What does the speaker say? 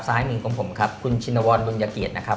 ซ้ายมือกว่าผมครับคุณชินวรดุลยะเกียจนะครับ